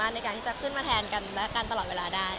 ทำให้เขาอยากจะขึ้นมาแทนกันตลอดเวลาได้